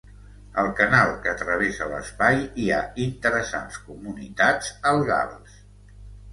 Al canal que travessa l'espai hi ha interessants comunitats algals.